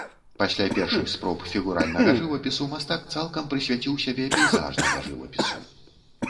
Пасля першых спроб фігуральнага жывапісу мастак цалкам прысвяціў сябе пейзажнага жывапісу.